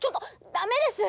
ダメです！